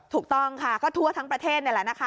ถูกต้องค่ะก็ทั่วทั้งประเทศนี่แหละนะคะ